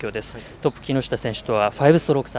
トップ、木下選手とは５ストローク差。